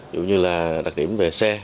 ví dụ như là đặc điểm về xe